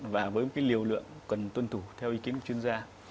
và với một liều lượng cần tuân thủ theo ý kiến của chuyên gia